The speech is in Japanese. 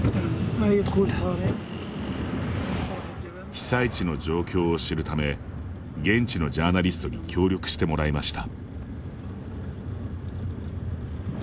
被災地の状況を知るため現地のジャーナリストに協力してもらいました。